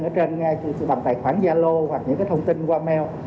ở trên ngay bằng tài khoản gia lô hoặc những cái thông tin qua mail